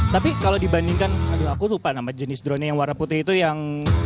tapi kalau dibandingkan aduh aku lupa nama jenis drone yang warna putih itu yang